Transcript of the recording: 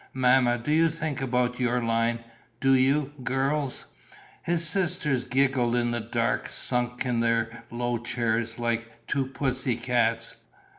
Mamma, do you think about your line? Do you, girls?" His sisters giggled in the dark, sunk in their low chairs, like two pussy cats.